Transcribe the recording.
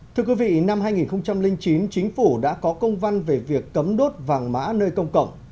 thưa quý vị năm hai nghìn chín chính phủ đã có công văn về việc cấm đốt vàng mã nơi công cộng